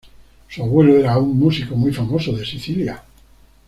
Su abuelo era un músico muy famoso de Sicilia.